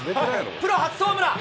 プロ初ホームラン。